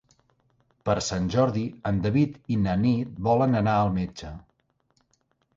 Per Sant Jordi en David i na Nit volen anar al metge.